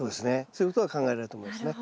そういうことが考えられると思いますね。